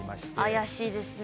怪しいですね。